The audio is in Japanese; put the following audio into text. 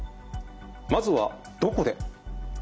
まずは「どこで」。